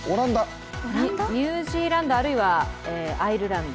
ニュージーランドあるいはアイルランド？